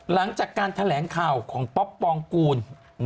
หลังจากการแถลงข่าวของป๊อปปองกูล